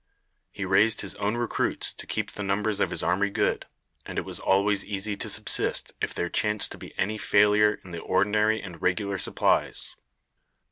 He raised his own recruits to keep the numbers of his army good, and it was always easy to subsist if there chanced to be any failure in the ordinary and regular supplies.